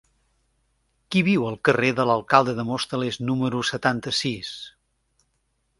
Qui viu al carrer de l'Alcalde de Móstoles número setanta-sis?